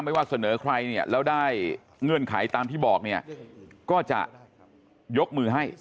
ว่าเสนอใครเนี่ยแล้วได้เงื่อนไขตามที่บอกเนี่ยก็จะยกมือให้